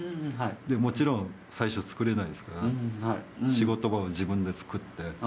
もちろん最初作れないですから仕事場を自分で作って。